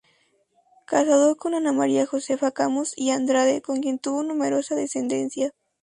Casado con "Ana María Josefa Camus y Andrade, con quien tuvo numerosa descendencia.